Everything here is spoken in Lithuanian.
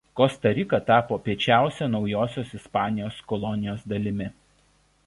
Kosta Rika tapo piečiausia Naujosios Ispanijos kolonijos dalimi.